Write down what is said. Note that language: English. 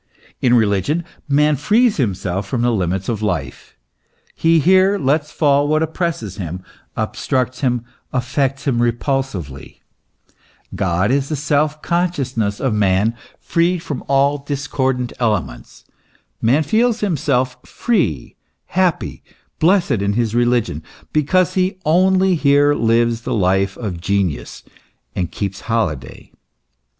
In religion man frees himself from the limits of life ; he here lets fall what oppresses him, obstructs him, affects him repulsively; God is the self consciousness of man freed from all discordant elements ; man feels himself free, happy, blessed in his religion, because he only here lives the life of genius, and keeps holiday.